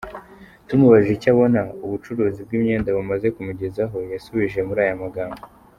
Tumubajije icyo abona ubucuruzi bw’imyenda bumaze kumugezaho, yasubije muri aya magambo.